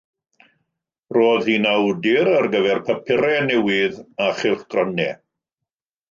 Roedd hi'n awdur ar gyfer papurau newydd a chylchgronau.